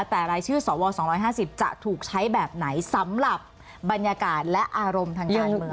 แต่รายชื่อสว๒๕๐จะถูกใช้แบบไหนสำหรับบรรยากาศและอารมณ์ทางการเมือง